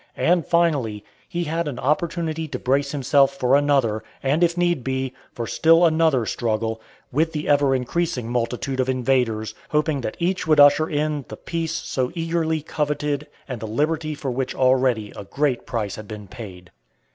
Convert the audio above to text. And, finally, he had an opportunity to brace himself for another, and, if need be, for still another struggle, with the ever increasing multitude of invaders, hoping that each would usher in the peace so eagerly coveted and the liberty for which already a great price had been paid.